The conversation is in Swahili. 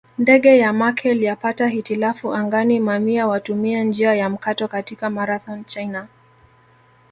Ndege ya Merkel yapata hitilafu angani Mamia watumia njia ya mkato katika Marathon China